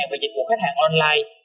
và dịch vụ khách hàng online